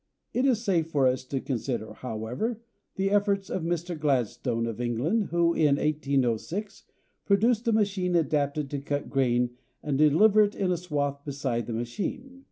It is safe for us to consider, however, the efforts of Mr. Gladstone, of England, who, in 1806, produced a machine adapted to cut grain and deliver it in a swath beside the machine.